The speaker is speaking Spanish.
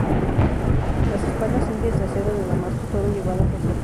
Las espadas indias de acero de Damasco fueron llevadas hacia Persia.